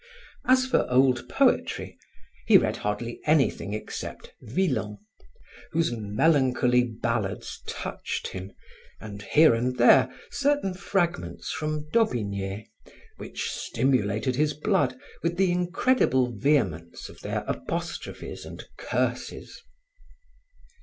As for old poetry, he read hardly anything except Villon, whose melancholy ballads touched him, and, here and there, certain fragments from d'Aubigne, which stimulated his blood with the incredible vehemence of their apostrophes and curses.